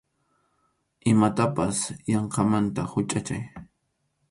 Imatapas yanqamanta huchachay.